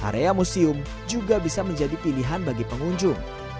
area museum juga bisa menjadi pilihan bagi pengunjung